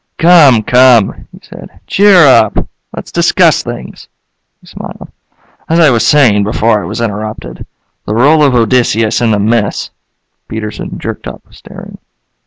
"Come, come," he said. "Cheer up! Let's discuss things." He smiled. "As I was saying before I was interrupted, the role of Odysseus in the myths " Peterson jerked up, staring.